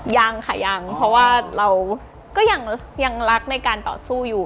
ยังค่ะยังเพราะว่าเราก็ยังรักในการต่อสู้อยู่